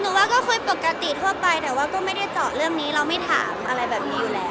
ว่าก็คุยปกติทั่วไปแต่ว่าก็ไม่ได้เจาะเรื่องนี้เราไม่ถามอะไรแบบนี้อยู่แล้ว